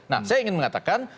nah saya ingin mengatakan